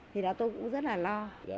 thì đó tôi cũng rất là lo